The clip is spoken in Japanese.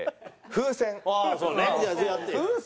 風船？